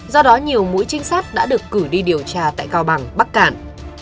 do đó nhiều mũi trinh sát đã được cử đi điều tra tại cao bằng bắc cạn